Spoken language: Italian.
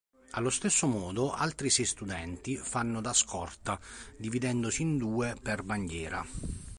Allo stesso modo, altri sei studenti fanno da scorta, dividendosi in due per bandiera.